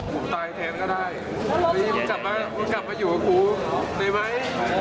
กูตายแทนก็ได้นี่มึงจับมาอยู่กับกูได้มั้ย